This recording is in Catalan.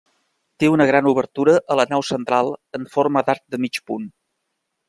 Té una gran obertura a la nau central en forma d'arc de mig punt.